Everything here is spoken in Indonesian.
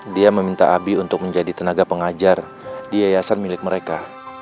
dia meminta abi untuk menjadi tenaga pengajar di yayasan milik mereka